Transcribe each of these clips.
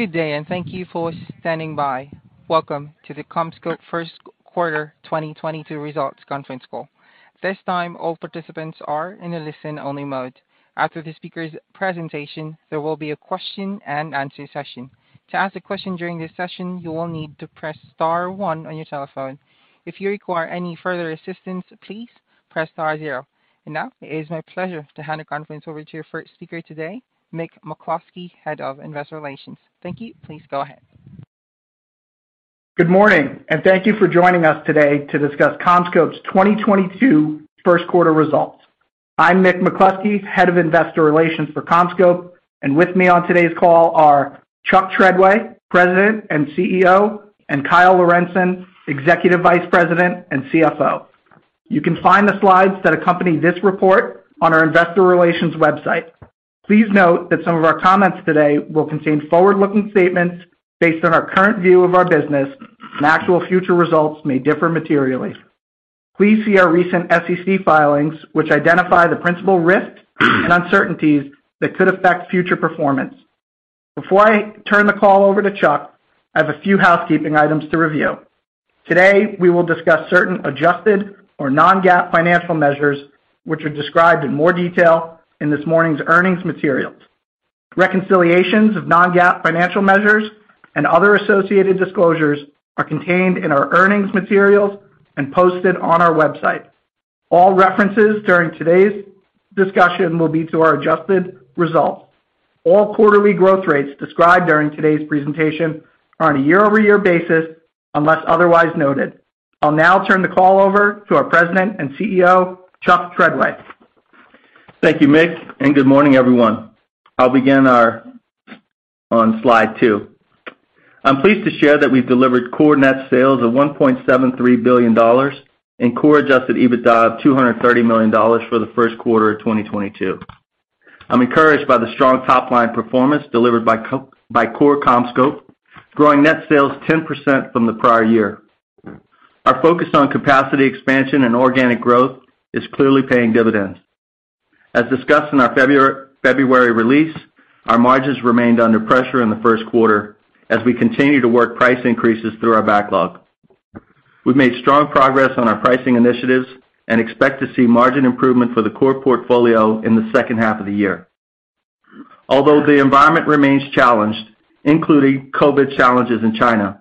Good day and thank you for standing by. Welcome to the CommScope Q1 2022 results conference call. This time, all participants are in a listen-only mode. After the speaker's presentation, there will be a question-and-answer session. To ask a question during this session, you will need to press star one on your telephone. If you require any further assistance, please press star zero. Now it is my pleasure to hand the conference over to your first speaker today, Mick McCluskey, Head of Investor Relations. Thank you. Please go ahead. Good morning and thank you for joining us today to discuss CommScope's 2022 Q1 results. I'm Mick McCluskey, Head of Investor Relations for CommScope, and with me on today's call are Chuck Treadway, President and CEO, and Kyle Lorentzen, Executive Vice President and CFO. You can find the slides that accompany this report on our investor relations website. Please note that some of our comments today will contain forward-looking statements based on our current view of our business, and actual future results may differ materially. Please see our recent SEC filings which identify the principal risks and uncertainties that could affect future performance. Before I turn the call over to Chuck, I have a few housekeeping items to review. Today, we will discuss certain adjusted or non-GAAP financial measures which are described in more detail in this morning's earnings materials. Reconciliations of non-GAAP financial measures and other associated disclosures are contained in our earnings materials and posted on our website. All references during today's discussion will be to our adjusted results. All quarterly growth rates described during today's presentation are on a year-over-year basis, unless otherwise noted. I'll now turn the call over to our President and CEO, Chuck Treadway. Thank you, Mick, and good morning, everyone. I'll begin on slide two. I'm pleased to share that we've delivered core net sales of $1.73 billion and core adjusted EBITDA of $230 million for the Q1 of 2022. I'm encouraged by the strong top-line performance delivered by core CommScope, growing net sales 10% from the prior year. Our focus on capacity expansion and organic growth is clearly paying dividends. As discussed in our February release, our margins remained under pressure in the Q1 as we continue to work price increases through our backlog. We've made strong progress on our pricing initiatives and expect to see margin improvement for the core portfolio in the second half of the year. Although the environment remains challenged, including COVID challenges in China.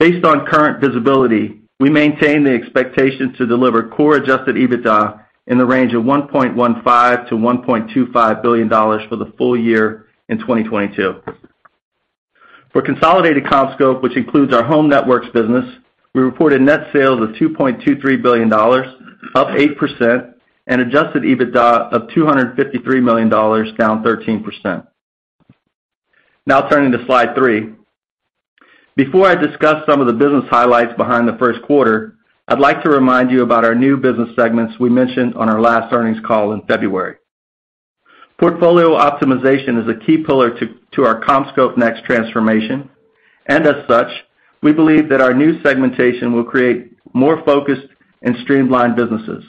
Based on current visibility, we maintain the expectation to deliver core adjusted EBITDA in the range of $1.15 billion-$1.25 billion for the full year in 2022. For consolidated CommScope, which includes our Home Networks business, we reported net sales of $2.23 billion, up 8%, and adjusted EBITDA of $253 million, down 13%. Now turning to slide three. Before I discuss some of the business highlights behind the Q1, I'd like to remind you about our new business segments we mentioned on our last earnings call in February. Portfolio optimization is a key pillar to our CommScope NEXT transformation, and as such, we believe that our new segmentation will create more focused and streamlined businesses.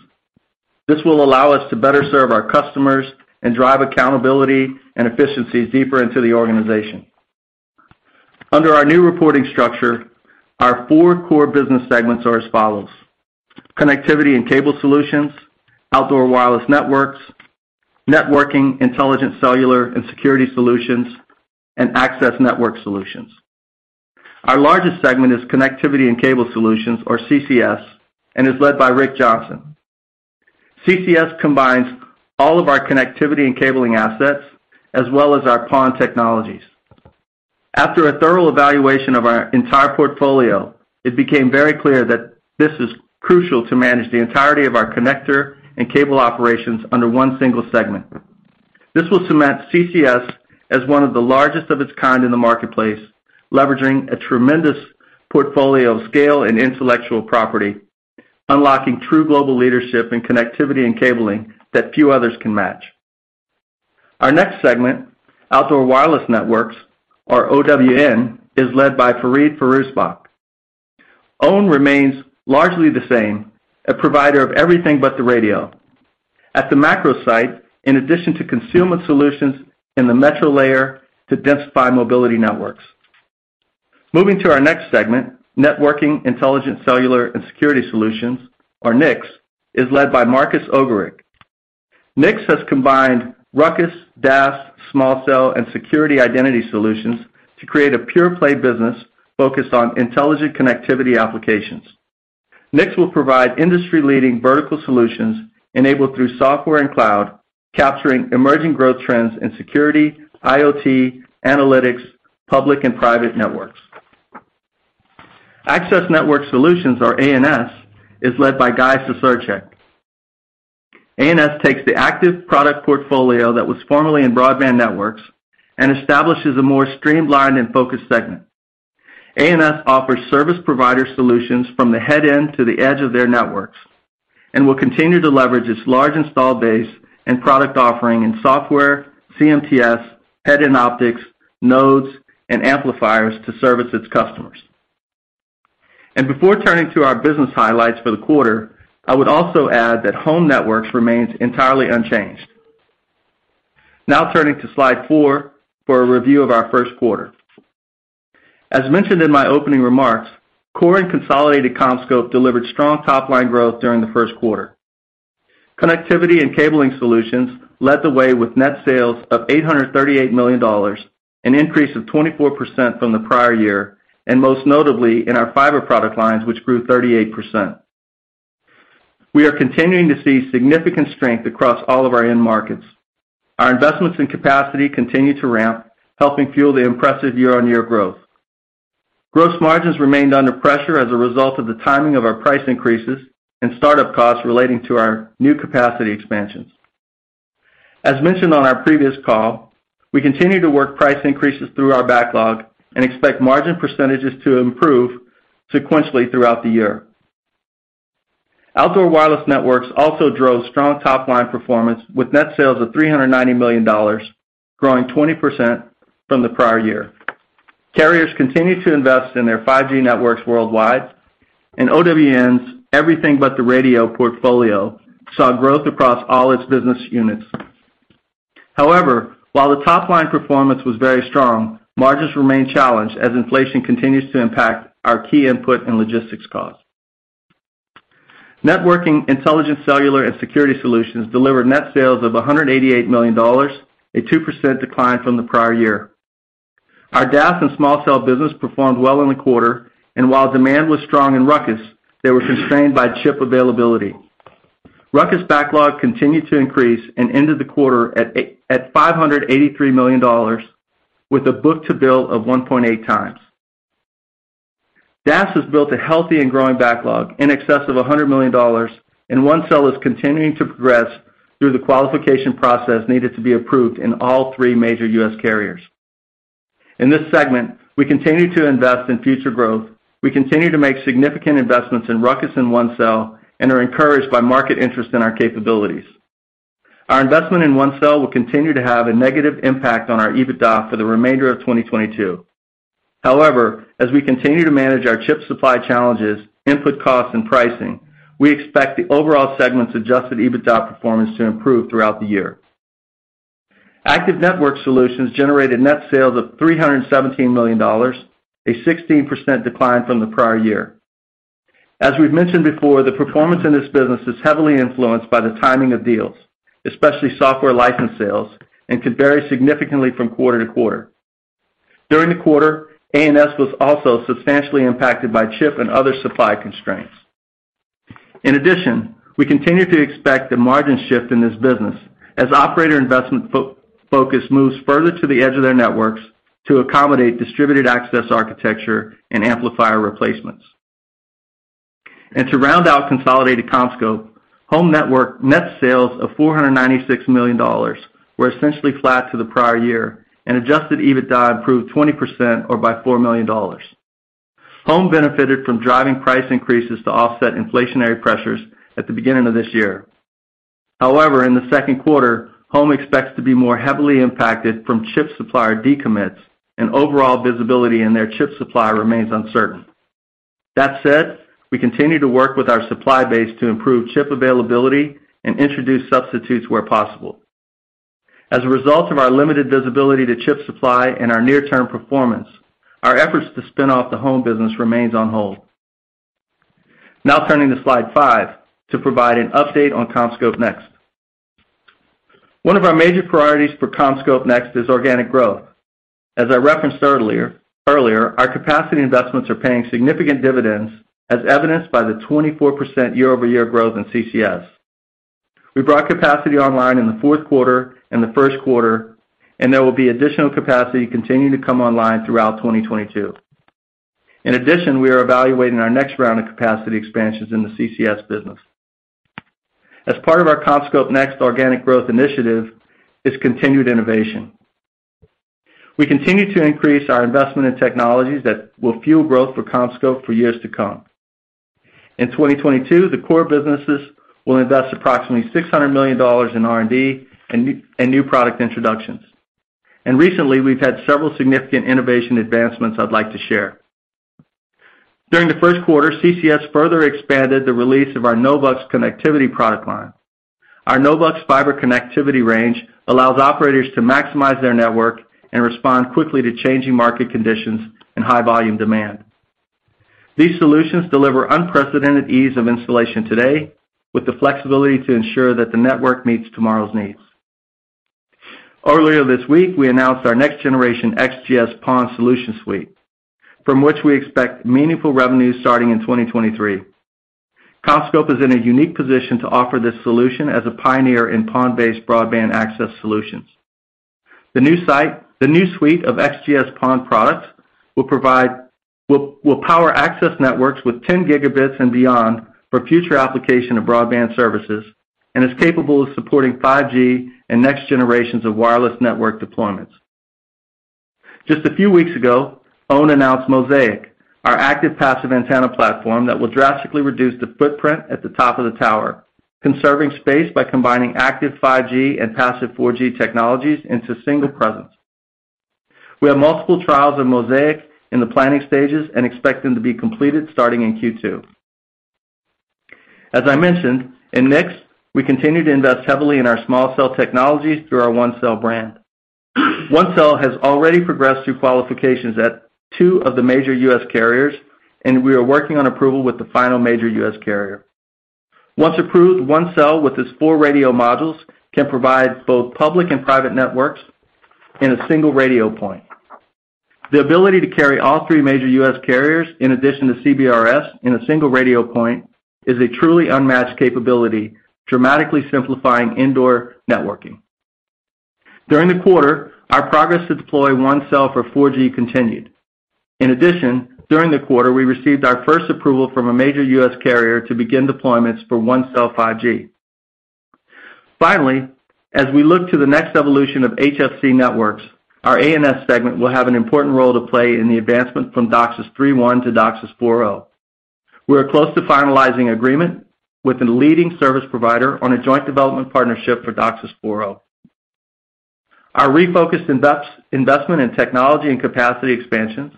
This will allow us to better serve our customers and drive accountability and efficiencies deeper into the organization. Under our new reporting structure, our four core business segments are as follows. Connectivity and Cable Solutions, Outdoor Wireless Networks, Networking, Intelligent Cellular and Security Solutions, and Access Network Solutions. Our largest segment is Connectivity and Cable Solutions or CCS and is led by Rick Johnson. CCS combines all of our connectivity and cabling assets as well as our PON technologies. After a thorough evaluation of our entire portfolio, it became very clear that this is crucial to manage the entirety of our connector and cable operations under one single segment. This will cement CCS as one of the largest of its kind in the marketplace, leveraging a tremendous portfolio of scale and intellectual property, unlocking true global leadership in connectivity and cabling that few others can match. Our next segment, Outdoor Wireless Networks or OWN, is led by Farid Firouzbakht. OWN remains largely the same, a provider of everything but the radio. At the macro site, in addition to consumer solutions in the metro layer to densify mobility networks. Moving to our next segment, Networking, Intelligent Cellular and Security Solutions, or NICS, is led by Marcus Egerich. NICS has combined Ruckus, DAS, small cell and security identity solutions to create a pure play business focused on intelligent connectivity applications. NICS will provide industry-leading vertical solutions enabled through software and cloud, capturing emerging growth trends in security, IoT, analytics, public and private networks. Access Network Solutions or ANS is led by Guy Cesarski. ANS takes the active product portfolio that was formerly in broadband networks and establishes a more streamlined and focused segment. ANS offers service provider solutions from the head end to the edge of their networks and will continue to leverage its large install base and product offering in software, CMTS, head-end optics, nodes and amplifiers to service its customers. Before turning to our business highlights for the quarter, I would also add that Home Networks remains entirely unchanged. Now turning to slide four for a review of our Q1. As mentioned in my opening remarks, core and consolidated CommScope delivered strong top-line growth during the Q1. Connectivity and Cable Solutions led the way with net sales of $838 million, an increase of 24% from the prior year, and most notably in our fiber product lines, which grew 38%. We are continuing to see significant strength across all of our end markets. Our investments in capacity continue to ramp, helping fuel the impressive year-over-year growth. Gross margins remained under pressure as a result of the timing of our price increases and start-up costs relating to our new capacity expansions. As mentioned on our previous call, we continue to work price increases through our backlog and expect margin percentages to improve sequentially throughout the year. Outdoor Wireless Networks also drove strong top-line performance with net sales of $390 million, growing 20% from the prior year. Carriers continue to invest in their 5G networks worldwide, and OWN's everything but the radio portfolio saw growth across all its business units. However, while the top-line performance was very strong, margins remained challenged as inflation continues to impact our key input and logistics costs. Networking, Intelligent Cellular, and Security Solutions delivered net sales of $188 million, a 2% decline from the prior year. Our DAS and small cell business performed well in the quarter, and while demand was strong in Ruckus, they were constrained by chip availability. Ruckus backlog continued to increase and ended the quarter at $583 million with a book-to-bill of 1.8x. DAS has built a healthy and growing backlog in excess of $100 million, and ONECELL is continuing to progress through the qualification process needed to be approved in all three major U.S. carriers. In this segment, we continue to invest in future growth. We continue to make significant investments in Ruckus and ONECELL and are encouraged by market interest in our capabilities. Our investment in ONECELL will continue to have a negative impact on our EBITDA for the remainder of 2022. However, as we continue to manage our chip supply challenges, input costs, and pricing, we expect the overall segment's adjusted EBITDA performance to improve throughout the year. Access Network Solutions generated net sales of $317 million, a 16% decline from the prior year. As we've mentioned before, the performance in this business is heavily influenced by the timing of deals, especially software license sales, and can vary significantly from quarter to quarter. During the quarter, ANS was also substantially impacted by chip and other supply constraints. In addition, we continue to expect a margin shift in this business as operator investment focus moves further to the edge of their networks to accommodate Distributed Access Architecture and amplifier replacements. To round out consolidated CommScope, Home Networks net sales of $496 million were essentially flat to the prior year and adjusted EBITDA improved 20% or by $4 million. Home benefited from driving price increases to offset inflationary pressures at the beginning of this year. However, in the Q2, Home expects to be more heavily impacted from chip supplier decommits and overall visibility in their chip supply remains uncertain. That said, we continue to work with our supply base to improve chip availability and introduce substitutes where possible. As a result of our limited visibility to chip supply and our near-term performance, our efforts to spin off the home business remains on hold. Now turning to slide five to provide an update on CommScope NEXT. One of our major priorities for CommScope NEXT is organic growth. As I referenced earlier, our capacity investments are paying significant dividends as evidenced by the 24% year-over-year growth in CCS. We brought capacity online in the Q4 and the Q1, and there will be additional capacity continuing to come online throughout 2022. In addition, we are evaluating our next round of capacity expansions in the CCS business. As part of our CommScope NEXT organic growth initiative, is continued innovation. We continue to increase our investment in technologies that will fuel growth for CommScope for years to come. In 2022, the core businesses will invest approximately $600 million in R&D and new product introductions. Recently, we've had several significant innovation advancements I'd like to share. During the Q1, CCS further expanded the release of our NOVUX connectivity product line. Our NOVUX fiber connectivity range allows operators to maximize their network and respond quickly to changing market conditions and high-volume demand. These solutions deliver unprecedented ease of installation today with the flexibility to ensure that the network meets tomorrow's needs. Earlier this week, we announced our next generation XGS PON solution suite, from which we expect meaningful revenues starting in 2023. CommScope is in a unique position to offer this solution as a pioneer in PON-based broadband access solutions. The new suite of XGS PON products will power access networks with 10Gb and beyond for future application of broadband services and is capable of supporting 5G and next generations of wireless network deployments. Just a few weeks ago, OWN announced Mosaic, our active-passive antenna platform that will drastically reduce the footprint at the top of the tower, conserving space by combining active 5G and passive 4G technologies into a single presence. We have multiple trials of Mosaic in the planning stages and expect them to be completed starting in Q2. As I mentioned, in NICS, we continue to invest heavily in our small cell technologies through our ONECELL brand. ONECELL has already progressed through qualifications at two of the major U.S. carriers, and we are working on approval with the final major U.S. carrier. Once approved, ONECELL, with its four radio modules, can provide both public and private networks in a single radio point. The ability to carry all three major U.S. carriers in addition to CBRS in a single radio point is a truly unmatched capability, dramatically simplifying indoor networking. During the quarter, our progress to deploy ONECELL for 4G continued. In addition, during the quarter, we received our first approval from a major U.S. carrier to begin deployments for ONECELL 5G. Finally, as we look to the next evolution of HFC networks, our ANS segment will have an important role to play in the advancement from DOCSIS 3.1 to DOCSIS 4.0. We are close to finalizing agreement with a leading service provider on a joint development partnership for DOCSIS 4.0. Our refocused investment in technology and capacity expansions,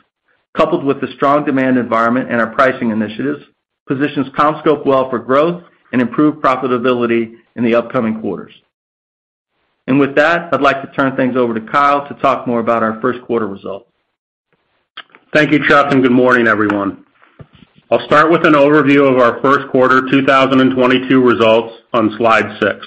coupled with the strong demand environment and our pricing initiatives, positions CommScope well for growth and improved profitability in the upcoming quarters. With that, I'd like to turn things over to Kyle to talk more about our Q1 results. Thank you, Chuck, and good morning, everyone. I'll start with an overview of our Q1 2022 results on slide six.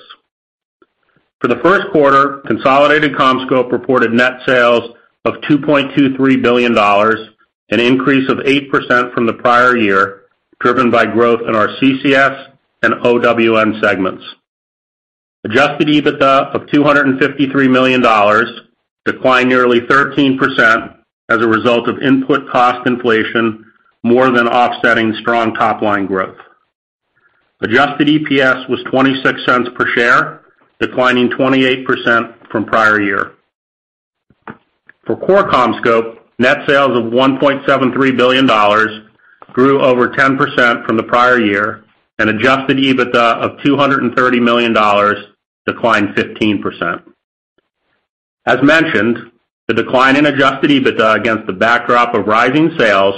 For the Q1, consolidated CommScope reported net sales of $2.23 billion, an increase of 8% from the prior year, driven by growth in our CCS and OWN segments. Adjusted EBITDA of $253 million declined nearly 13% as a result of input cost inflation more than offsetting strong top line growth. Adjusted EPS was $0.26 per share, declining 28% from prior year. For core CommScope, net sales of $1.73 billion grew over 10% from the prior year and adjusted EBITDA of $230 million declined 15%. As mentioned, the decline in adjusted EBITDA against the backdrop of rising sales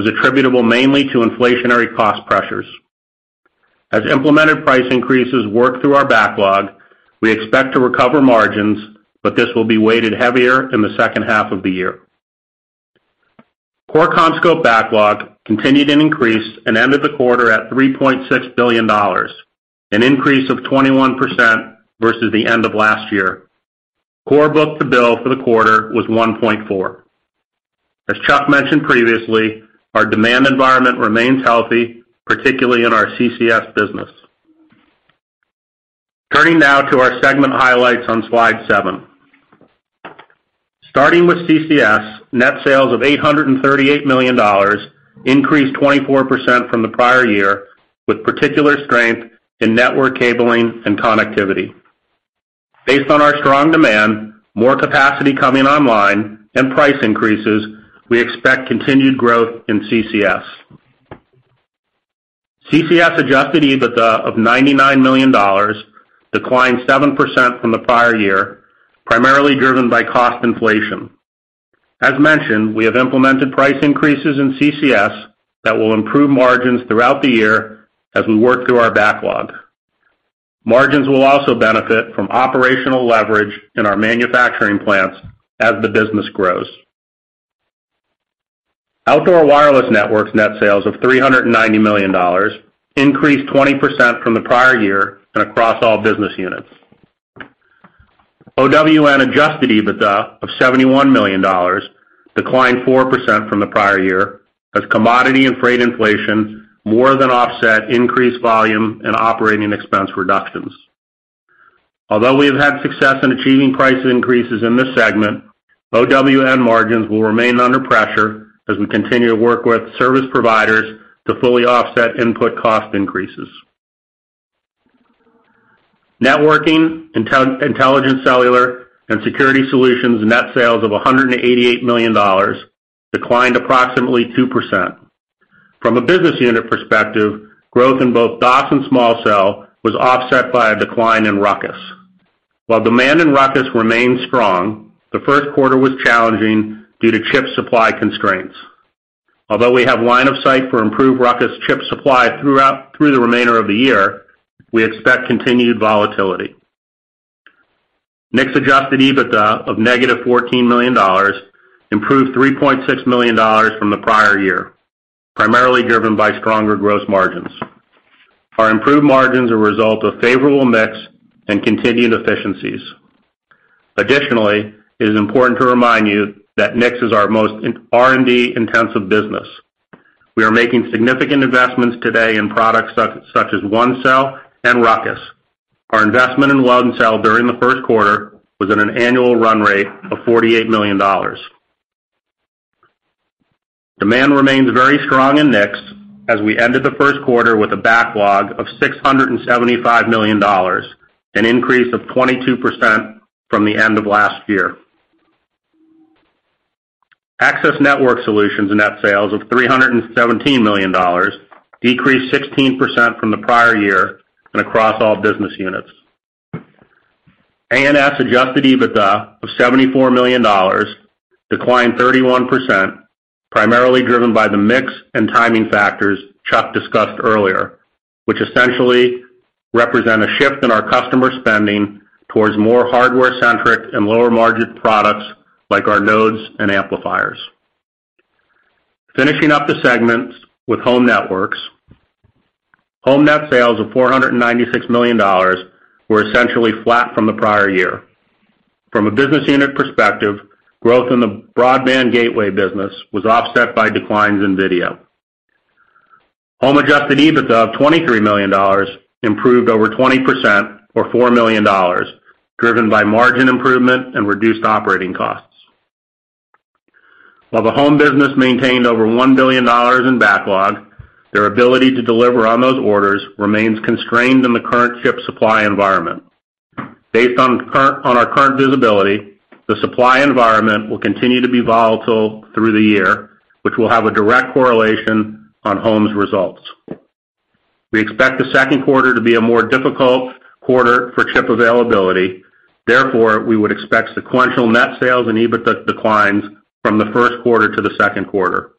was attributable mainly to inflationary cost pressures. As implemented price increases work through our backlog, we expect to recover margins, but this will be weighted heavier in the second half of the year. Core CommScope backlog continued an increase and ended the quarter at $3.6 billion, an increase of 21% versus the end of last year. Core book-to-bill for the quarter was 1.4. As Chuck mentioned previously, our demand environment remains healthy, particularly in our CCS business. Turning now to our segment highlights on slide seven. Starting with CCS, net sales of $838 million increased 24% from the prior year with particular strength in network cabling and connectivity. Based on our strong demand, more capacity coming online and price increases, we expect continued growth in CCS. CCS adjusted EBITDA of $99 million declined 7% from the prior year, primarily driven by cost inflation. As mentioned, we have implemented price increases in CCS that will improve margins throughout the year as we work through our backlog. Margins will also benefit from operational leverage in our manufacturing plants as the business grows. Outdoor Wireless Networks net sales of $390 million increased 20% from the prior year and across all business units. OWN adjusted EBITDA of $71 million declined 4% from the prior year as commodity and freight inflation more than offset increased volume and operating expense reductions. Although we have had success in achieving price increases in this segment, OWN margins will remain under pressure as we continue to work with service providers to fully offset input cost increases. Networking, Intelligent Cellular and Security Solutions net sales of $188 million declined approximately 2%. From a business unit perspective, growth in both DAS and small cell was offset by a decline in Ruckus. While demand in Ruckus remains strong, the Q1 was challenging due to chip supply constraints. Although we have line of sight for improved Ruckus chip supply through the remainder of the year, we expect continued volatility. NICS adjusted EBITDA of -$14 million improved $3.6 million from the prior year, primarily driven by stronger gross margins. Our improved margins are a result of favorable mix and continued efficiencies. Additionally, it is important to remind you that NICS is our most R&D-intensive business. We are making significant investments today in products such as ONECELL and Ruckus. Our investment in ONECELL during the Q1 was at an annual run rate of $48 million. Demand remains very strong in NICS as we ended the Q1 with a backlog of $675 million, an increase of 22% from the end of last year. Access Network Solutions' net sales of $317 million decreased 16% from the prior year and across all business units. ANS's adjusted EBITDA of $74 million declined 31%, primarily driven by the mix and timing factors Chuck discussed earlier, which essentially represent a shift in our customer spending towards more hardware-centric and lower-margin products like our nodes and amplifiers. Finishing up the segments with home networks. Home net sales of $496 million were essentially flat from the prior year. From a business unit perspective, growth in the broadband gateway business was offset by declines in video. Home adjusted EBITDA of $23 million improved over 20% or $4 million, driven by margin improvement and reduced operating costs. While the home business maintained over $1 billion in backlog, their ability to deliver on those orders remains constrained in the current chip supply environment. Based on our current visibility, the supply environment will continue to be volatile through the year, which will have a direct correlation on home's results. We expect the Q2 to be a more difficult quarter for chip availability. Therefore, we would expect sequential net sales and EBITDA declines from the Q1 to the Q2.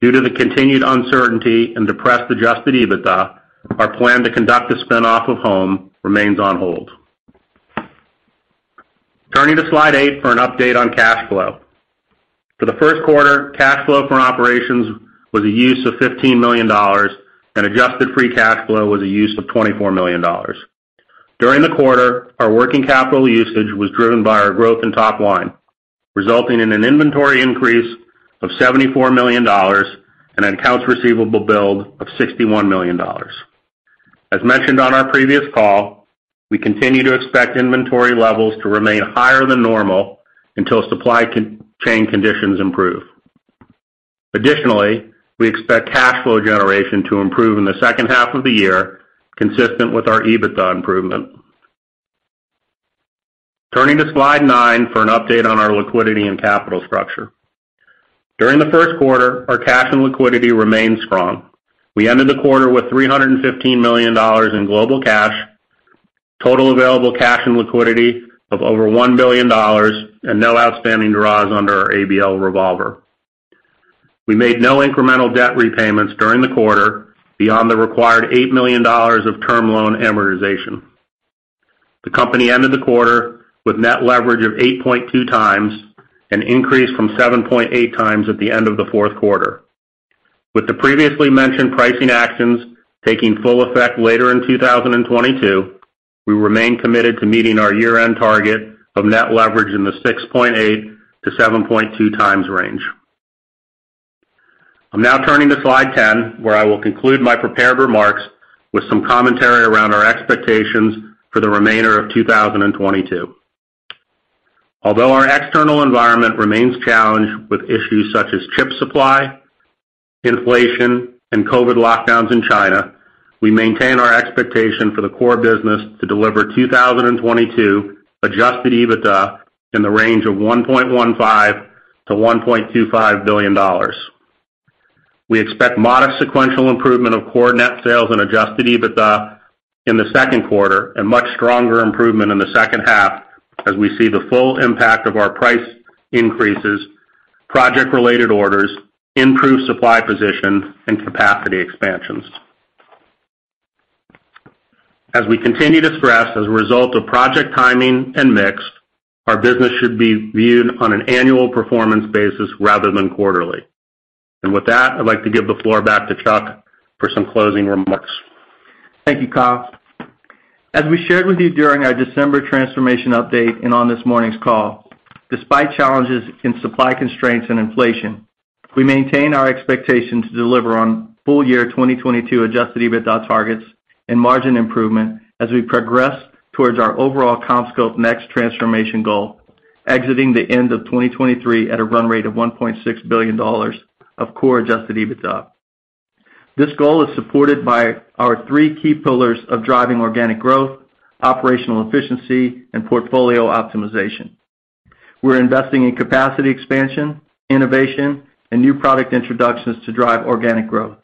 Due to the continued uncertainty and depressed adjusted EBITDA, our plan to conduct a spin-off of Home remains on hold. Turning to slide eight for an update on cash flow. For the Q1, cash flow from operations was a use of $15 million, and adjusted free cash flow was a use of $24 million. During the quarter, our working capital usage was driven by our growth in top line, resulting in an inventory increase of $74 million and accounts receivable build of $61 million. As mentioned on our previous call, we continue to expect inventory levels to remain higher than normal until supply chain conditions improve. Additionally, we expect cash flow generation to improve in the second half of the year, consistent with our EBITDA improvement. Turning to slide nine for an update on our liquidity and capital structure. During the Q1, our cash and liquidity remained strong. We ended the quarter with $315 million in global cash, total available cash and liquidity of over $1 billion, and no outstanding draws under our ABL revolver. We made no incremental debt repayments during the quarter beyond the required $8 million of term loan amortization. The company ended the quarter with net leverage of 8.2x, an increase from 7.8x at the end of the Q4. With the previously mentioned pricing actions taking full effect later in 2022, we remain committed to meeting our year-end target of net leverage in the 6.8x-7.2x range. I'm now turning to slide 10, where I will conclude my prepared remarks with some commentary around our expectations for the remainder of 2022. Although our external environment remains challenged with issues such as chip supply, inflation, and COVID lockdowns in China, we maintain our expectation for the core business to deliver 2022 adjusted EBITDA in the range of $1.15-$1.25 billion. We expect modest sequential improvement of core net sales and adjusted EBITDA in the Q2 and much stronger improvement in the second half as we see the full impact of our price increases, project-related orders, improved supply position, and capacity expansions. As we continue to stress as a result of project timing and mix, our business should be viewed on an annual performance basis rather than quarterly. With that, I'd like to give the floor back to Chuck for some closing remarks. Thank you, Kyle. As we shared with you during our December transformation update and on this morning's call, despite challenges in supply constraints and inflation, we maintain our expectation to deliver on full year 2022 adjusted EBITDA targets and margin improvement as we progress towards our overall CommScope NEXT transformation goal, exiting the end of 2023 at a run rate of $1.6 billion of core adjusted EBITDA. This goal is supported by our three key pillars of driving organic growth, operational efficiency, and portfolio optimization. We're investing in capacity expansion, innovation, and new product introductions to drive organic growth.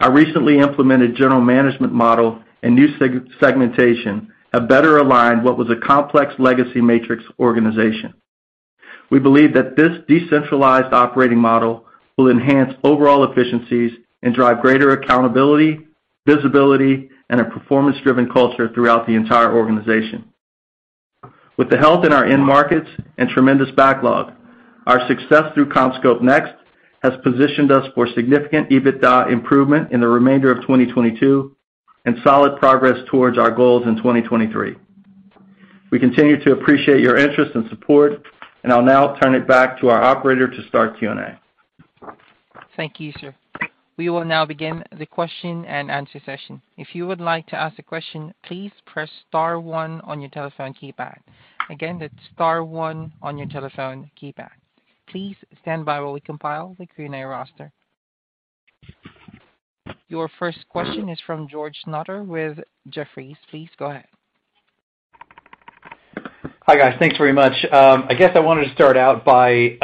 Our recently implemented general management model and new segmentation have better aligned what was a complex legacy matrix organization. We believe that this decentralized operating model will enhance overall efficiencies and drive greater accountability, visibility, and a performance-driven culture throughout the entire organization. With the health in our end markets and tremendous backlog, our success through CommScope NEXT has positioned us for significant EBITDA improvement in the remainder of 2022 and solid progress towards our goals in 2023. We continue to appreciate your interest and support, and I'll now turn it back to our operator to start Q&A. Thank you, sir. We will now begin the question- and- answer session. If you would like to ask a question, please press star one on your telephone keypad. Again, that's star one on your telephone keypad. Please stand by while we compile the Q&A roster. Your first question is from George Notter with Jefferies. Please go ahead. Hi, guys. Thanks very much. I guess I wanted to start out by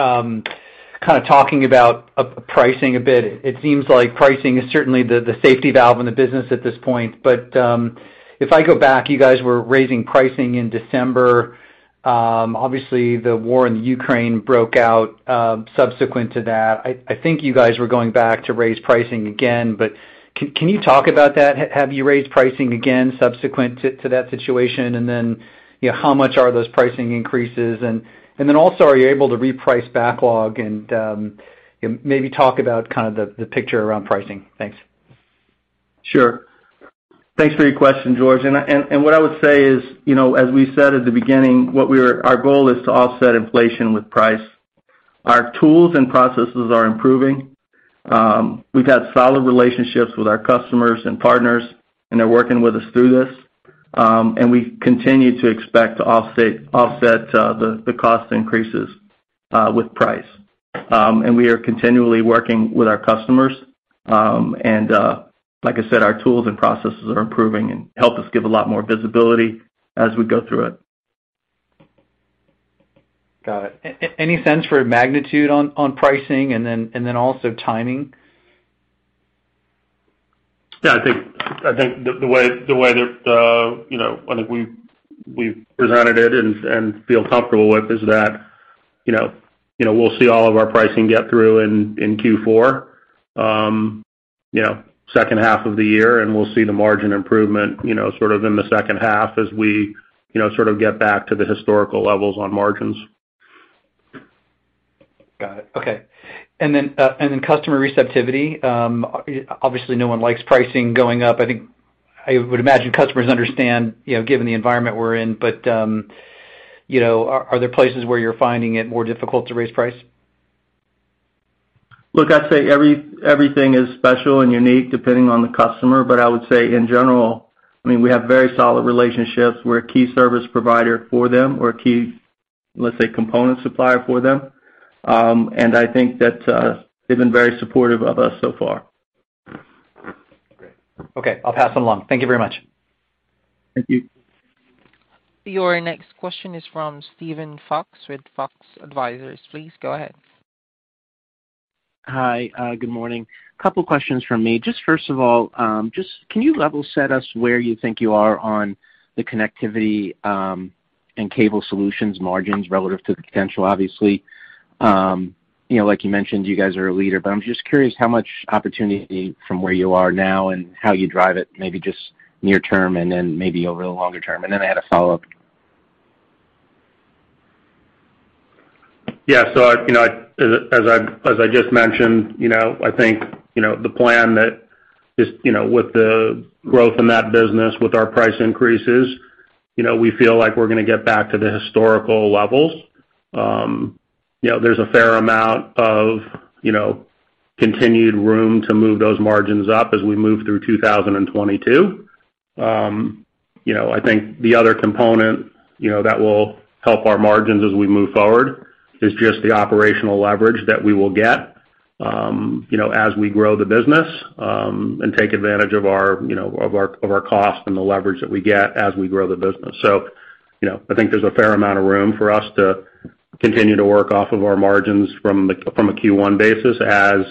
kind of talking about pricing a bit. It seems like pricing is certainly the safety valve in the business at this point. If I go back, you guys were raising pricing in December. Obviously, the war in the Ukraine broke out subsequent to that. I think you guys were going back to raise pricing again, but can you talk about that? Have you raised pricing again subsequent to that situation? You know, how much are those pricing increases? Also, are you able to reprice backlog and maybe talk about kind of the picture around pricing. Thanks. Sure. Thanks for your question, George. What I would say is, you know, as we said at the beginning, our goal is to offset inflation with price. Our tools and processes are improving. We've had solid relationships with our customers and partners, and they're working with us through this. We continue to expect to offset the cost increases with price. We are continually working with our customers. Like I said, our tools and processes are improving and help us give a lot more visibility as we go through it. Got it. Any sense for a magnitude on pricing and then also timing? Yeah, I think the way that, you know, I think we presented it and feel comfortable with is that, you know, we'll see all of our pricing get through in Q4. You know, second half of the year, and we'll see the margin improvement, you know, sort of in the second half as we, you know, sort of get back to the historical levels on margins. Got it. Okay. Customer receptivity. Obviously, no one likes pricing going up. I think I would imagine customers understand, you know, given the environment we're in. You know, are there places where you're finding it more difficult to raise price? Look, I'd say everything is special and unique depending on the customer, but I would say in general, I mean, we have very solid relationships. We're a key service provider for them. We're a key, let's say, component supplier for them. I think that they've been very supportive of us so far. Okay. I'll pass it along. Thank you very much. Thank you. Your next question is from Steven Fox with Fox Advisors. Please go ahead. Hi. Good morning. A couple questions from me. Just first of all, just can you level set us where you think you are on the Connectivity and Cable Solutions margins relative to the potential, obviously? You know, like you mentioned, you guys are a leader, but I'm just curious how much opportunity from where you are now and how you drive it, maybe just near term, and then maybe over the longer term. Then I had a follow-up. Yeah. As I just mentioned, you know, I think, you know, the plan that is, you know, with the growth in that business, with our price increases, you know, we feel like we're gonna get back to the historical levels. You know, there's a fair amount of, you know, continued room to move those margins up as we move through 2022. You know, I think the other component, you know, that will help our margins as we move forward is just the operational leverage that we will get, you know, as we grow the business, and take advantage of our costs and the leverage that we get as we grow the business. You know, I think there's a fair amount of room for us to continue to work off of our margins from a Q1 basis as,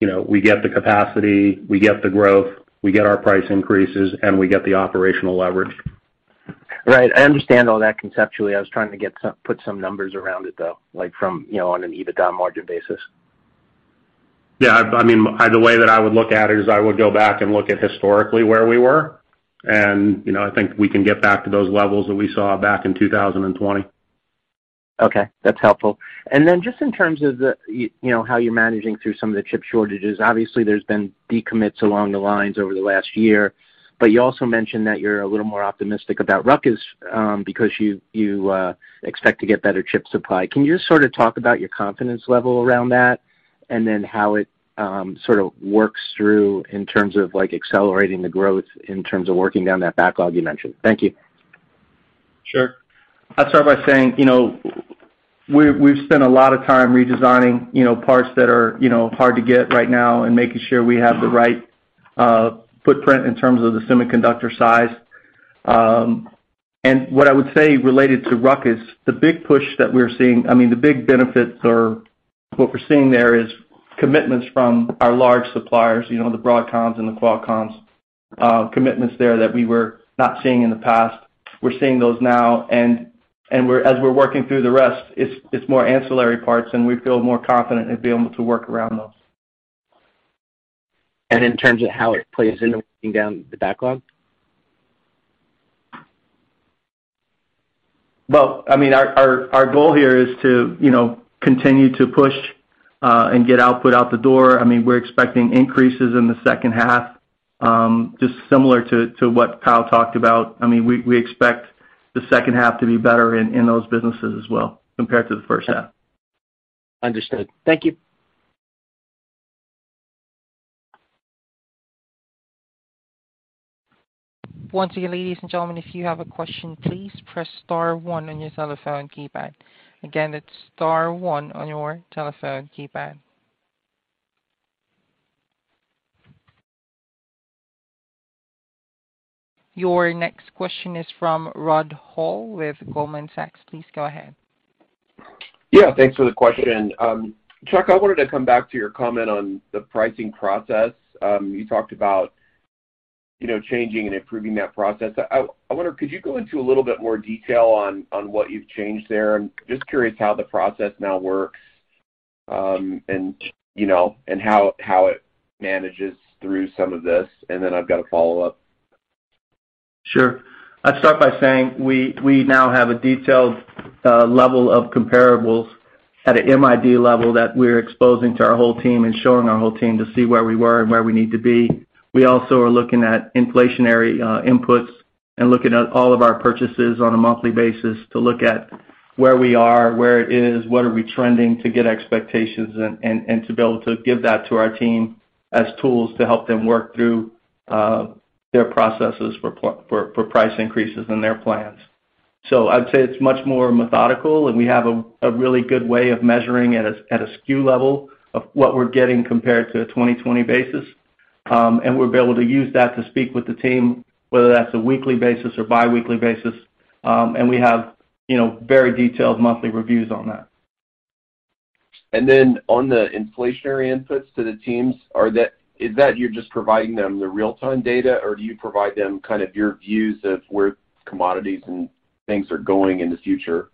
you know, we get the capacity, we get the growth, we get our price increases, and we get the operational leverage. Right. I understand all that conceptually. I was trying to put some numbers around it, though, like from, you know, on an EBITDA margin basis. Yeah. I mean, the way that I would look at it is I would go back and look at historically where we were. You know, I think we can get back to those levels that we saw back in 2020. Okay. That's helpful. Just in terms of how you're managing through some of the chip shortages. Obviously, there's been decommits along the lines over the last year, but you also mentioned that you're a little more optimistic about Ruckus because you expect to get better chip supply. Can you just sort of talk about your confidence level around that, and then how it sort of works through in terms of like accelerating the growth in terms of working down that backlog you mentioned? Thank you. Sure. I'll start by saying, you know, we've spent a lot of time redesigning, you know, parts that are, you know, hard to get right now and making sure we have the right footprint in terms of the semiconductor size. What I would say related to Ruckus, the big push that we're seeing, I mean, the big benefits or what we're seeing there is commitments from our large suppliers, you know, the Broadcoms and the Qualcomms, commitments there that we were not seeing in the past. We're seeing those now. As we're working through the rest, it's more ancillary parts, and we feel more confident in being able to work around those. In terms of how it plays into working down the backlog? Well, I mean, our goal here is to, you know, continue to push and get output out the door. I mean, we're expecting increases in the second half, just similar to what Kyle talked about. I mean, we expect the second half to be better in those businesses as well compared to the first half. Understood. Thank you. Once again, ladies and gentlemen, if you have a question, please press star one on your telephone keypad. Again, it's star one on your telephone keypad. Your next question is from Rod Hall with Goldman Sachs. Please go ahead. Yeah, thanks for the question. Chuck, I wanted to come back to your comment on the pricing process. You talked about, you know, changing and improving that process. I wonder, could you go into a little bit more detail on what you've changed there? I'm just curious how the process now works, and, you know, and how it manages through some of this. I've got a follow-up. Sure. I'd start by saying we now have a detailed level of comparables at a MID level that we're exposing to our whole team and showing our whole team to see where we were and where we need to be. We also are looking at inflationary inputs and looking at all of our purchases on a monthly basis to look at where we are, where it is, what are we trending to get expectations and to be able to give that to our team as tools to help them work through their processes for price increases in their plans. I'd say it's much more methodical, and we have a really good way of measuring at a SKU level of what we're getting compared to a 2020 basis. We'll be able to use that to speak with the team, whether that's a weekly basis or biweekly basis. We have, you know, very detailed monthly reviews on that. On the inflationary inputs to the teams, is that you're just providing them the real-time data, or do you provide them kind of your views of where commodities and things are going in the future?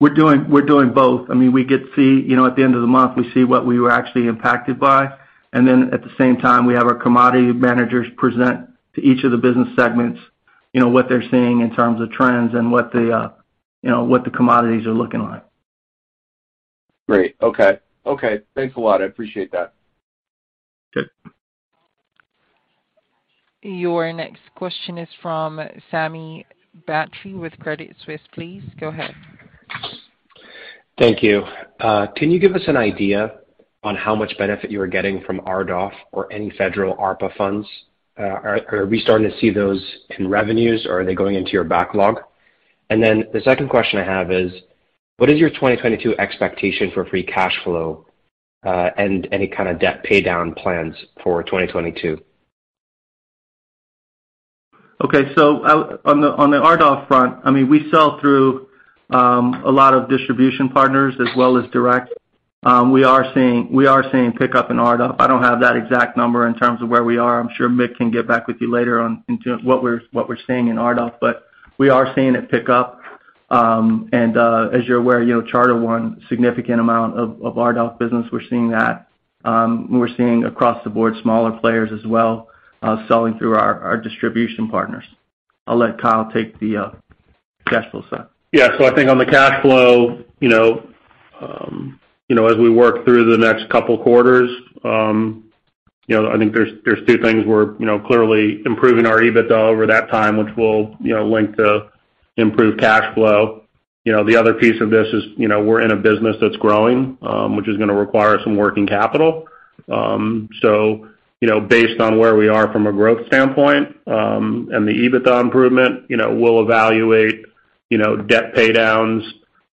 We're doing both. I mean, we get to see, you know, at the end of the month, we see what we were actually impacted by. Then at the same time, we have our commodity managers present to each of the business segments, you know, what they're seeing in terms of trends and what the, you know, what the commodities are looking like. Great. Okay. Okay, thanks a lot. I appreciate that. Okay. Your next question is from Sami Badri with Credit Suisse. Please go ahead. Thank you. Can you give us an idea on how much benefit you are getting from RDOF or any federal ARPA funds? Are we starting to see those in revenues, or are they going into your backlog? Then the second question I have is, what is your 2022 expectation for free cash flow, and any kind of debt paydown plans for 2022? Okay. On the RDOF front, I mean, we sell through a lot of distribution partners as well as direct. We are seeing pickup in RDOF. I don't have that exact number in terms of where we are. I'm sure Mick can get back with you later on in terms what we're seeing in RDOF, but we are seeing it pick up. As you're aware, you know, Charter won significant amount of RDOF business. We're seeing that. We're seeing across the board smaller players as well, selling through our distribution partners. I'll let Kyle take the cash flow side. Yeah. I think on the cash flow, you know, as we work through the next couple quarters, you know, I think there's two things we're, you know, clearly improving our EBITDA over that time, which will, you know, link to improved cash flow. You know, the other piece of this is, you know, we're in a business that's growing, which is gonna require some working capital. You know, based on where we are from a growth standpoint, and the EBITDA improvement, you know, we'll evaluate, you know, debt paydowns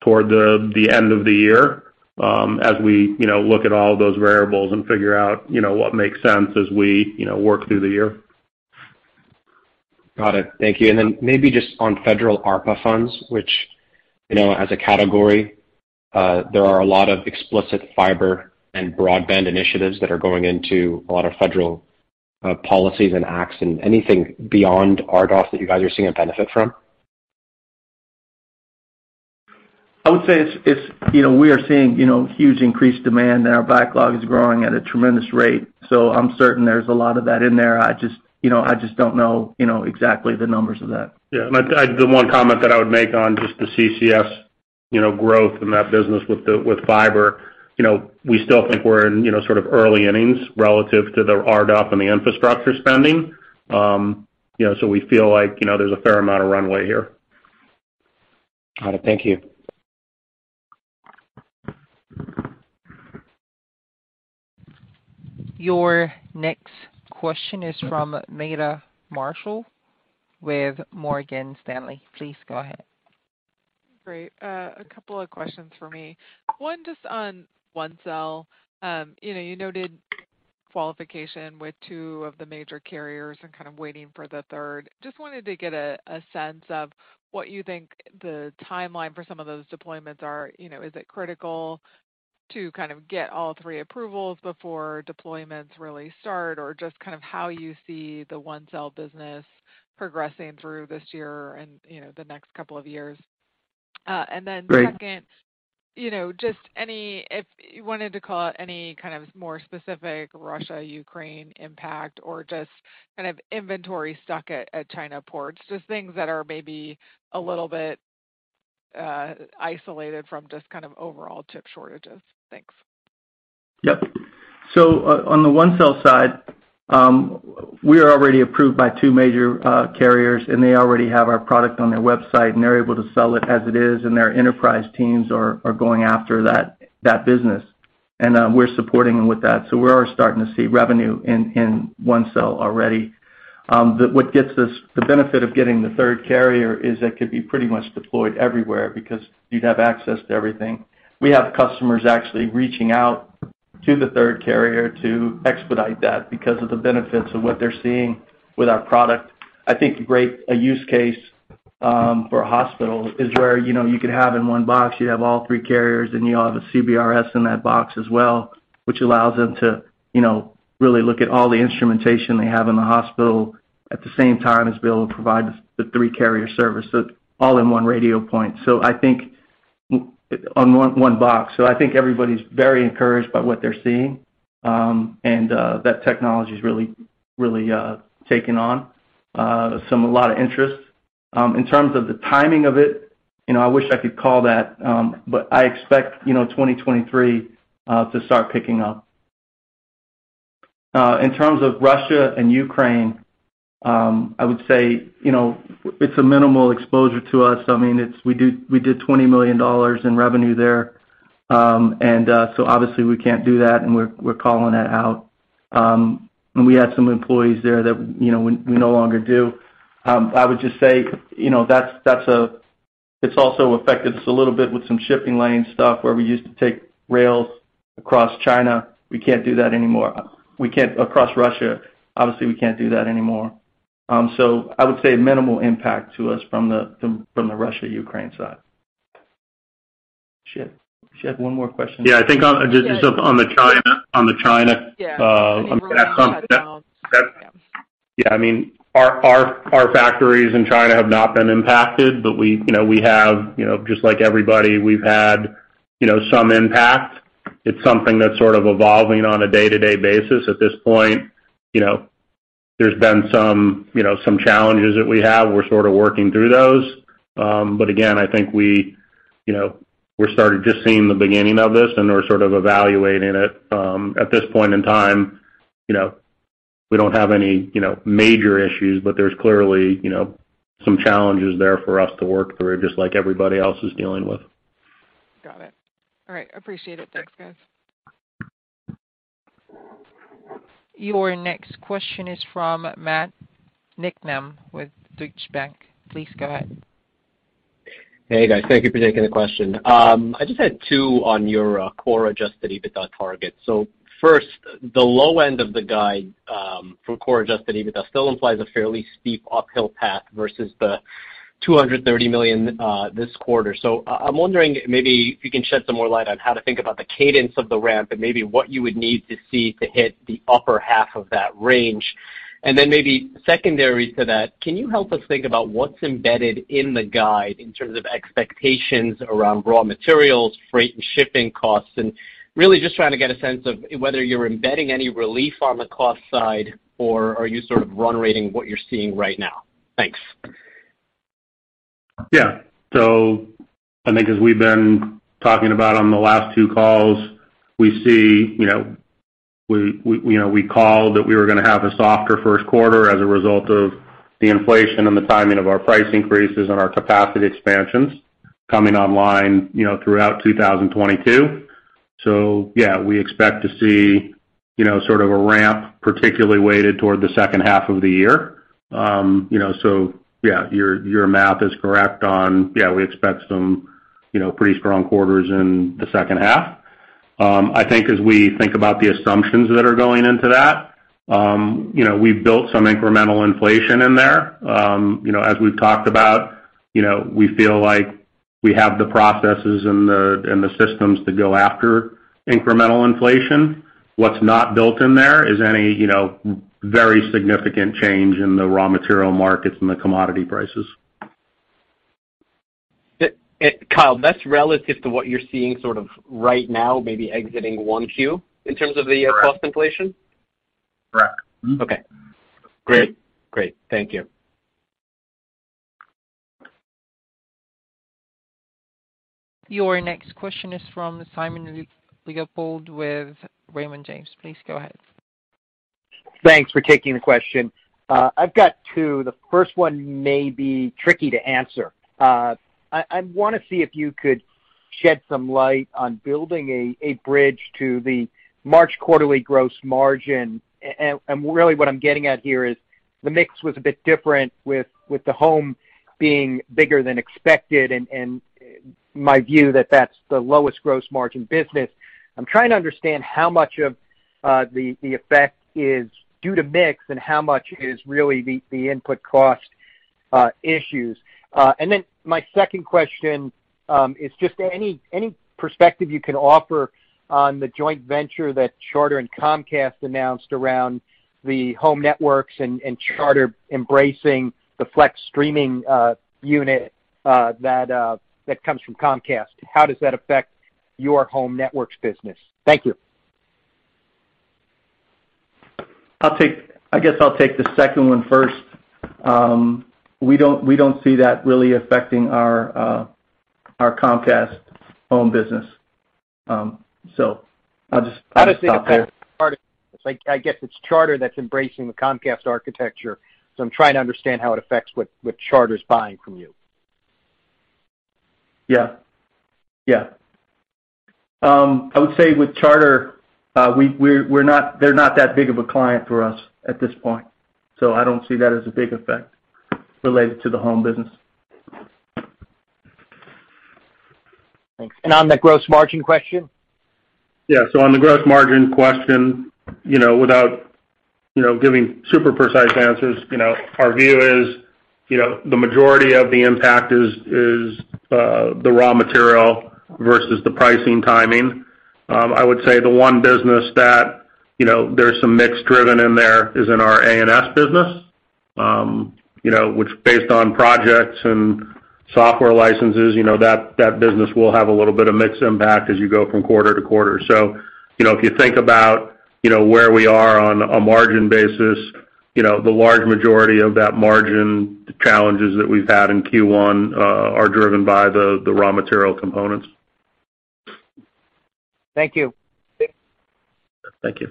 toward the end of the year, as we, you know, look at all of those variables and figure out, you know, what makes sense as we, you know, work through the year. Got it. Thank you. Maybe just on federal ARPA funds, which, you know, as a category, there are a lot of explicit fiber and broadband initiatives that are going into a lot of federal policies and acts, and anything beyond RDOF that you guys are seeing a benefit from? I would say it's you know, we are seeing, you know, huge increased demand, and our backlog is growing at a tremendous rate. I'm certain there's a lot of that in there. I just, you know, I just don't know, you know, exactly the numbers of that. Yeah. The one comment that I would make on just the CCS, you know, growth in that business with the fiber, you know, we still think we're in, you know, sort of early innings relative to the RDOF and the infrastructure spending. You know, we feel like, you know, there's a fair amount of runway here. Got it. Thank you. Your next question is from Meta Marshall with Morgan Stanley. Please go ahead. Great. A couple of questions for me. One just on ONECELL. You know, you noted qualification with two of the major carriers and kind of waiting for the third. Just wanted to get a sense of what you think the timeline for some of those deployments are. You know, is it critical to kind of get all three approvals before deployments really start? Or just kind of how you see the ONECELL business progressing through this year and, you know, the next couple of years. Right. Second, you know, just any, if you wanted to call out any kind of more specific Russia-Ukraine impact or just kind of inventory stuck at China ports, just things that are maybe a little bit isolated from just kind of overall chip shortages. Thanks. On the ONECELL side, we are already approved by two major carriers, and they already have our product on their website, and they're able to sell it as it is, and their enterprise teams are going after that business. We're supporting them with that. We are starting to see revenue in ONECELL already. What gets us the benefit of getting the third carrier is it could be pretty much deployed everywhere because you'd have access to everything. We have customers actually reaching out to the third carrier to expedite that because of the benefits of what they're seeing with our product. I think a great use case for a hospital is where you know you could have in one box you have all three carriers and you have a CBRS in that box as well which allows them to you know really look at all the instrumentation they have in the hospital at the same time as be able to provide the three carrier services all in one radio point. I think on one box. I think everybody's very encouraged by what they're seeing and that technology is really taking on a lot of interest. In terms of the timing of it you know I wish I could call that but I expect you know 2023 to start picking up. In terms of Russia and Ukraine, I would say, you know, it's a minimal exposure to us. I mean, we did $20 million in revenue there. Obviously we can't do that, and we're calling that out. We had some employees there that, you know, we no longer do. I would just say, you know, it's also affected us a little bit with some shipping lane stuff where we used to take rails across China. We can't do that anymore. Across Russia, obviously, we can't do that anymore. I would say minimal impact to us from the Russia-Ukraine side. Did she have one more question? Yeah, I think on, just on the China, that's something that. Yeah. Yeah, I mean, our factories in China have not been impacted. We, you know, we have, you know, just like everybody, we've had, you know, some impact. It's something that's sort of evolving on a day-to-day basis at this point. You know, there's been you know, some challenges that we have. We're sort of working through those. Again, I think we, you know, we're started just seeing the beginning of this, and we're sort of evaluating it. At this point in time, you know, we don't have any, you know, major issues, but there's clearly, you know, some challenges there for us to work through, just like everybody else is dealing with. Got it. All right. I appreciate it. Thanks, guys. Your next question is from Matt Niknam with Deutsche Bank. Please go ahead. Hey, guys. Thank you for taking the question. I just had two on your core adjusted EBITDA target. First, the low end of the guide for core adjusted EBITDA still implies a fairly steep uphill path versus the $230 million this quarter. I'm wondering maybe if you can shed some more light on how to think about the cadence of the ramp and maybe what you would need to see to hit the upper half of that range. Then maybe secondary to that, can you help us think about what's embedded in the guide in terms of expectations around raw materials, freight and shipping costs? Really just trying to get a sense of whether you're embedding any relief on the cost side, or are you sort of run rating what you're seeing right now? Thanks. Yeah. I think as we've been talking about on the last two calls, we see, you know, we called that we were gonna have a softer Q1 as a result of the inflation and the timing of our price increases and our capacity expansions coming online, you know, throughout 2022. Yeah, we expect to see, you know, sort of a ramp, particularly weighted toward the second half of the year. Yeah, your math is correct on, yeah, we expect some, you know, pretty strong quarters in the second half. I think as we think about the assumptions that are going into that, you know, we've built some incremental inflation in there. You know, as we've talked about, you know, we feel like we have the processes and the systems to go after incremental inflation. What's not built in there is any, you know, very significant change in the raw material markets and the commodity prices. Kyle, that's relative to what you're seeing sort of right now, maybe exiting one Q in terms of the cost inflation? Correct. Mm-hmm. Okay. Great. Thank you. Your next question is from Simon Leopold with Raymond James. Please go ahead. Thanks for taking the question. I've got two. The first one may be tricky to answer. I wanna see if you could shed some light on building a bridge to the March quarterly gross margin. Really what I'm getting at here is the mix was a bit different with the Home being bigger than expected, and my view that that's the lowest gross margin business. I'm trying to understand how much of the effect is due to mix and how much is really the input cost issues. My second question is just any perspective you can offer on the joint venture that Charter and Comcast announced around the Home Networks and Charter embracing the flex streaming unit that comes from Comcast. How does that affect your Home Networks business? Thank you. I guess I'll take the second one first. We don't see that really affecting our Comcast home business. I'll just- How does it impact Charter? I guess it's Charter that's embracing the Comcast architecture, so I'm trying to understand how it affects what Charter's buying from you. Yeah. Yeah. I would say with Charter, they're not that big of a client for us at this point, so I don't see that as a big effect related to the home business. Thanks. On the gross margin question? Yeah. On the gross margin question, you know, without, you know, giving super precise answers, you know, our view is, you know, the majority of the impact is the raw material versus the pricing timing. I would say the one business that, you know, there's some mix driven in there is in our ANS business, you know, which based on projects and software licenses, you know, that business will have a little bit of mix impact as you go from quarter to quarter. If you think about, you know, where we are on a margin basis, you know, the large majority of that margin challenges that we've had in Q1 are driven by the raw material components. Thank you. Thank you.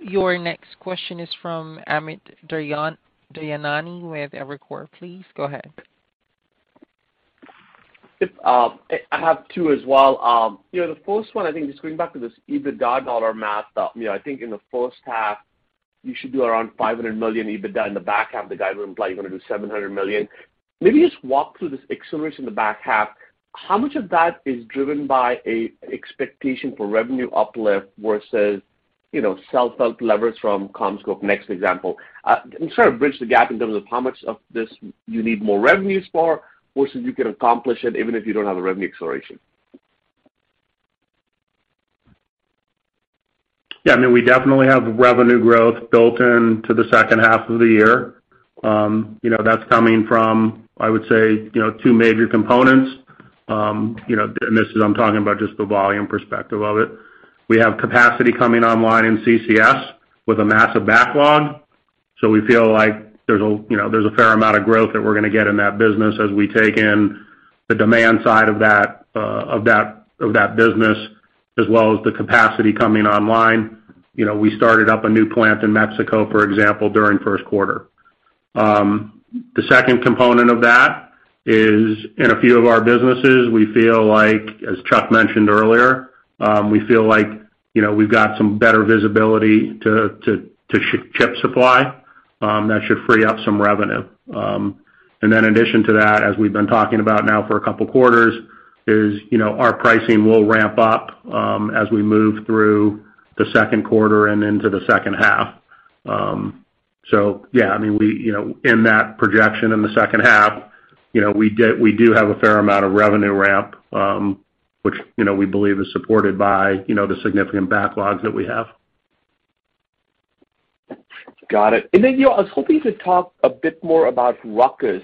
Your next question is from Amit Daryanani with Evercore. Please go ahead. Yes. I have two as well. You know, the first one, I think just going back to this EBITDA dollar math. You know, I think in the first half you should do around $500 million EBITDA. In the back half, the guidance implies you're gonna do $700 million. Maybe just walk through this acceleration in the back half. How much of that is driven by a expectation for revenue uplift versus, you know, self-help leverage from CommScope NEXT? And sort of bridge the gap in terms of how much of this you need more revenues for versus you can accomplish it even if you don't have a revenue acceleration. Yeah. I mean, we definitely have revenue growth built into the second half of the year. You know, that's coming from, I would say, you know, two major components. You know, this is, I'm talking about just the volume perspective of it. We have capacity coming online in CCS with a massive backlog, so we feel like you know, there's a fair amount of growth that we're gonna get in that business as we take in the demand side of that business, as well as the capacity coming online. You know, we started up a new plant in Mexico, for example, during Q1. The second component of that is in a few of our businesses, we feel like, as Chuck mentioned earlier, we feel like, you know, we've got some better visibility to chip supply that should free up some revenue. In addition to that, as we've been talking about now for a couple quarters is, you know, our pricing will ramp up, as we move through the Q2 and into the second half. Yeah, I mean, we, you know, in that projection in the second half, you know, we do have a fair amount of revenue ramp, which, you know, we believe is supported by, you know, the significant backlogs that we have. Got it. You know, I was hoping to talk a bit more about Ruckus.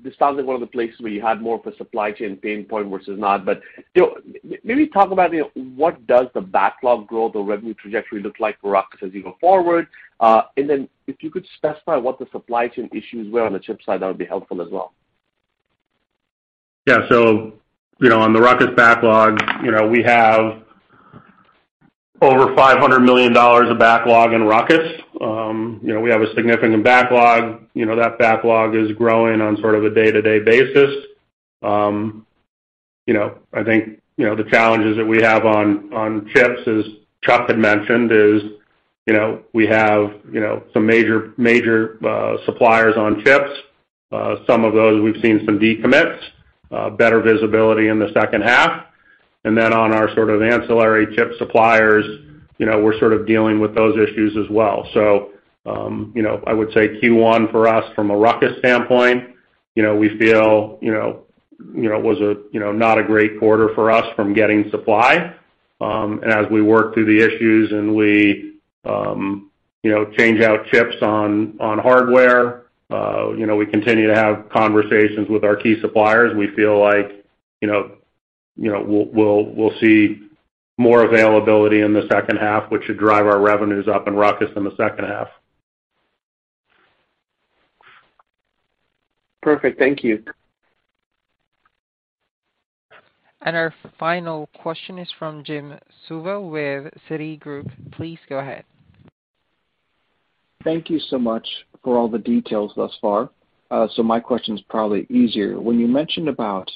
This sounds like one of the places where you had more of a supply chain pain point versus not, but, you know, maybe talk about, you know, what does the backlog growth or revenue trajectory look like for Ruckus as you go forward? If you could specify what the supply chain issues were on the chip side, that would be helpful as well. Yeah. You know, on the Ruckus backlog, you know, we have over $500 million of backlog in Ruckus. You know, we have a significant backlog. You know, that backlog is growing on sort of a day-to-day basis. You know, I think, you know, the challenges that we have on chips, as Chuck had mentioned is, you know, we have, you know, some major suppliers on chips. Some of those we've seen some decommits, better visibility in the second half. And then on our sort of ancillary chip suppliers, you know, we're sort of dealing with those issues as well. You know, I would say Q1 for us from a Ruckus standpoint, you know, we feel, you know, it was a, you know, not a great quarter for us from getting supply. As we work through the issues and we, you know, change out chips on hardware, you know, we continue to have conversations with our key suppliers. We feel like, you know, we'll see more availability in the second half, which should drive our revenues up in Ruckus in the second half. Perfect. Thank you. Our final question is from Jim Suva with Citigroup. Please go ahead. Thank you so much for all the details thus far. My question's probably easier. When you mentioned about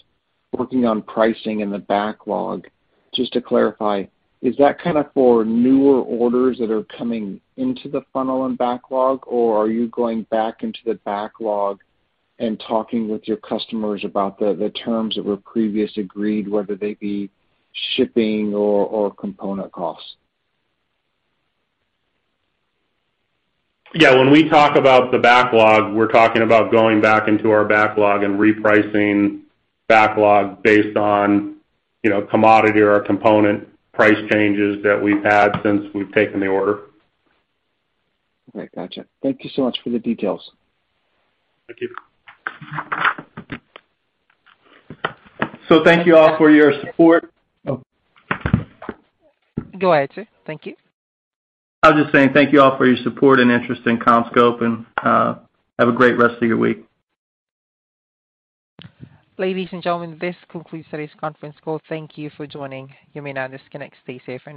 working on pricing in the backlog, just to clarify, is that kind of for newer orders that are coming into the funnel and backlog, or are you going back into the backlog and talking with your customers about the terms that were previously agreed, whether they be shipping or component costs? Yeah. When we talk about the backlog, we're talking about going back into our backlog and repricing backlog based on, you know, commodity or component price changes that we've had since we've taken the order. Okay. Gotcha. Thank you so much for the details. Thank you. Thank you all for your support. Oh. Go ahead, sir. Thank you. I was just saying thank you all for your support and interest in CommScope, and have a great rest of your week. Ladies and gentlemen, this concludes today's conference call. Thank you for joining. You may now disconnect. Stay safe and healthy.